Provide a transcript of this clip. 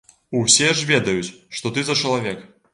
Усе ж ведаюць, што ты за чалавек.